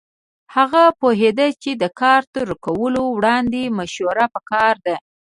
هغه پوهېده چې د کار تر کولو وړاندې مشوره پکار ده.